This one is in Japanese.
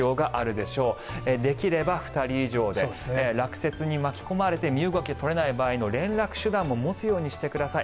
できれば２人以上で落雪に巻き込まれて身動きが取れない場合の連絡手段も持つようにしてください。